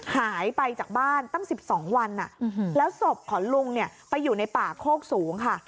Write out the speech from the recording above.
หายไปจากบ้านตั้ง๑๒วันแล้วศพของลุงเนี่ยไปอยู่ในป่าโคกสูงค่ะ